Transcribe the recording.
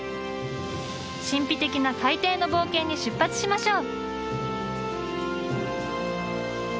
神秘的な海底の冒険に出発しましょう。